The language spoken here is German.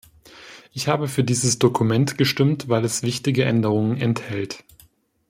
Ich habe für dieses Dokument gestimmt, weil es wichtige Änderungen enthält.